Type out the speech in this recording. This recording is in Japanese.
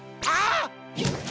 あっ！